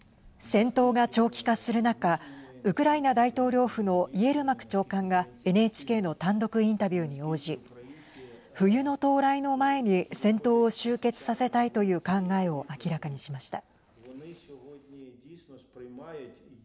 戦闘が長期化する中ウクライナ大統領府のイエルマク長官がＮＨＫの単独インタビューに応じ冬の到来の前に戦闘を終結させたいという考えを明らかにしました。